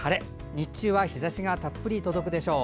日中は日ざしがたっぷり届くでしょう。